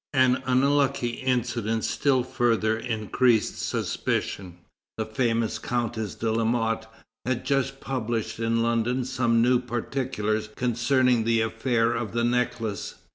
An unlucky incident still further increased suspicion. The famous Countess de La Motte had just published in London some new particulars concerning the affair of the necklace.